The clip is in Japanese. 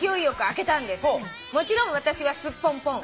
「もちろん私はすっぽんぽん。